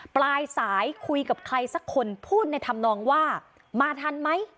ปลายสายคุยกับใครสักคนพูดในธรรมนองว่ามาทันไหม